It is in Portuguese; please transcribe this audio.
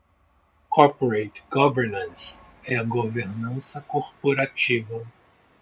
Corporate Governance é a governança corporativa.